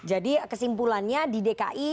jadi kesimpulannya di dki